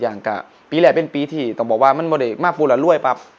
อย่างก็ปีแรกเป็นปีที่ต้องบอกว่ามันไม่ได้มาพูดแล้วรวยปั๊บ